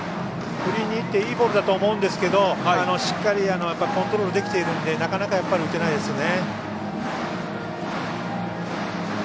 振りにいっていいボールだと思うんですけどしっかりコントロールできているのでなかなか、打てないですね。